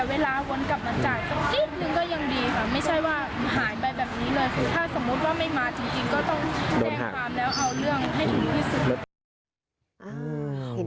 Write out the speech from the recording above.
คือถ้าสมมุติว่าไม่มาจริงก็ต้องแดงความแล้วเอาเรื่องให้ถึงที่สุด